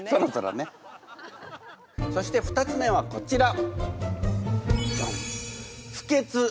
そして２つ目はこちら。